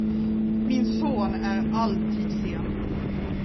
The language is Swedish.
Min son är alltid sen.